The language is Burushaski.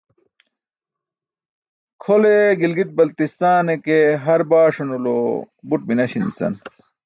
kʰole gilgit-baltistan e ke har baaṣan ulo buṭ minaśin bica